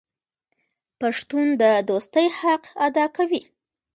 پښتون د دوستۍ حق ادا کوي.